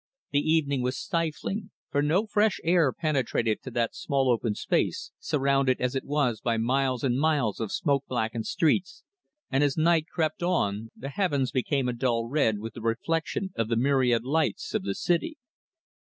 The evening was stifling, for no fresh air penetrated to that small open space, surrounded as it was by miles and miles of smoke blackened streets, and as night crept on the heavens became a dull red with the reflection of the myriad lights of the city.